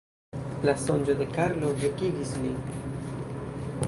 La sonĝo de Karlo vekigis lin.